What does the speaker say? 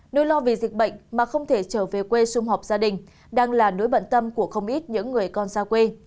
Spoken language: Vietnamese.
nỗi lo vì dịch bệnh mà không thể trở về quê xung họp gia đình đang là nỗi bận tâm của không ít những người con xa quê